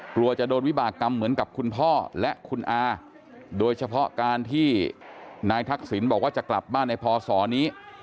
กลัวจะโดนวิบากรรมเหมือนกับคุณพ่อและคุณอาโดยเฉพาะการที่นายทักษิณบอกว่าจะกลับบ้านในพศนี้